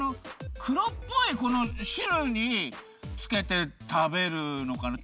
くろっぽいしるにつけて食べるのかな？